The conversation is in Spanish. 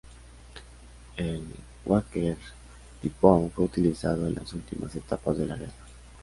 El Hawker Typhoon fue utilizado en las últimas etapas de la guerra.